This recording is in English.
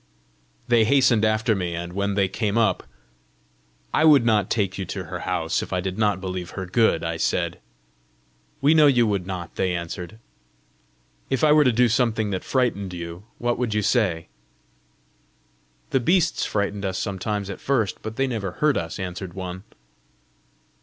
They hastened after me, and when they came up, "I would not take you to her house if I did not believe her good," I said. "We know you would not," they answered. "If I were to do something that frightened you what would you say?" "The beasts frightened us sometimes at first, but they never hurt us!" answered one.